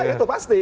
ya itu pasti